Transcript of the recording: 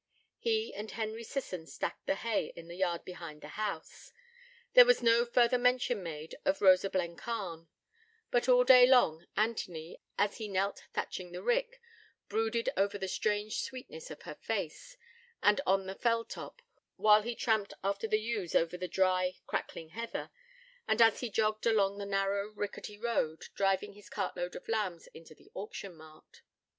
He and Henry Sisson stacked the hay in the yard behind the house; there was no further mention made of Rosa Blencarn; but all day long Anthony, as he knelt thatching the rick, brooded over the strange sweetness of her face, and on the fell top, while he tramped after the ewes over the dry, crackling heather, and as he jogged along the narrow, rickety road, driving his cartload of lambs into the auction mart.